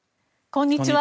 こんにちは。